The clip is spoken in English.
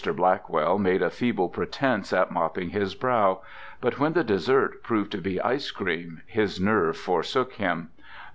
Blackwell made a feeble pretence at mopping his brow, but when the dessert proved to be ice cream his nerve forsook him.